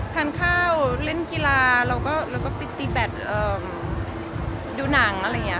ทานข้าวเล่นกีฬาเราก็ไปตีแบตดูหนังอะไรอย่างนี้